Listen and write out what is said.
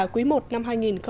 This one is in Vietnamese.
quý i năm hai nghìn một mươi tám